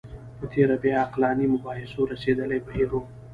په تېره بیا عقلاني مباحثو رسېدلی بهیر و